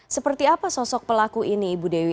seperti apa sosok pelaku ini ibu dewi